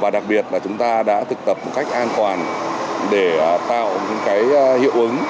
và đặc biệt là chúng ta đã thực tập một cách an toàn để tạo những hiệu ứng